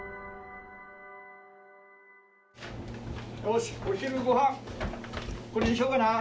よしお昼ご飯。